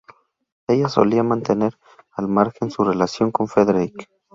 Ella solía mantener al margen su relación con Frederik.